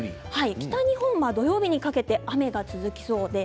北日本は土曜日にかけて雨が続きそうです。